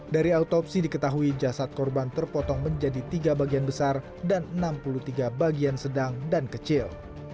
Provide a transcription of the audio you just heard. dari autopsi diketahui jasad korban terpotong menjadi tiga bagian besar dan enam puluh tiga bagian sedang dan kecil